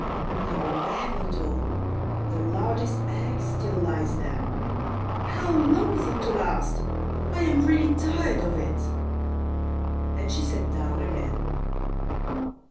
"No, I have not all. The largest egg still lies there. How long is that to last? I am really tired of it." And she sat down again.